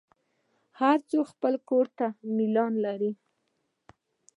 هر څوک خپل کور ته میلان لري.